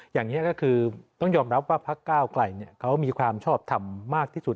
อย่างนี้ก็คือต้องยอมรับว่าพักก้าวไกลเขามีความชอบทำมากที่สุด